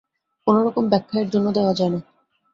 কোনো রকম ব্যাখ্যা এর জন্যে দেয়া যায় না।